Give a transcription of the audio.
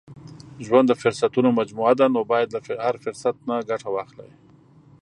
• ژوند د فرصتونو مجموعه ده، نو باید له هر فرصت نه ګټه واخلې.